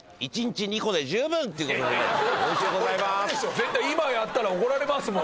絶対今やったら怒られますもん。